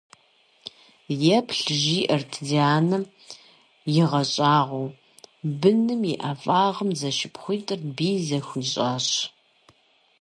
- Еплъ, - жиӀэрт ди анэм игъэщӀагъуэу, - быным и ӀэфӀагъым зэшыпхъуитӀыр бий зэхуищӀащ.